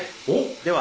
では。